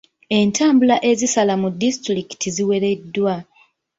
Entambula ezisala mu disitulikiti ziwereddwa.